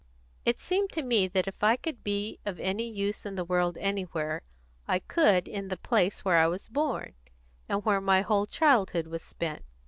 "It seemed to me that if I could be of any use in the world anywhere, I could in the place where I was born, and where my whole childhood was spent.